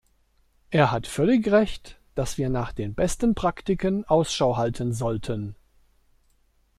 Er hat völlig Recht, dass wir nach den besten Praktiken Ausschau halten sollten.